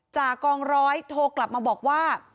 จากกองร้อยโทรกลับมาบอกว่า